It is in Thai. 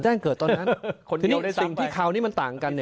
แจ้งเกิดตอนนั้นสิ่งที่คราวนี้มันต่างกัน